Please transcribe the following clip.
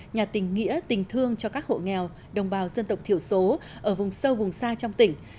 nhà tình nghĩa tình thương cho các hộ nghèo đồng bào dân tộc thiểu số ở vùng sâu vùng xa trong tỉnh